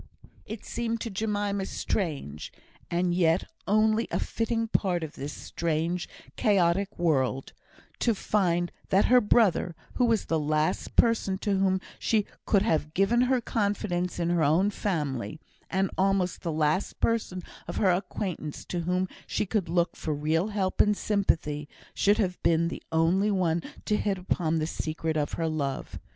It seemed to Jemima strange and yet only a fitting part of this strange, chaotic world to find that her brother, who was the last person to whom she could have given her confidence in her own family, and almost the last person of her acquaintance to whom she could look for real help and sympathy, should have been the only one to hit upon the secret of her love.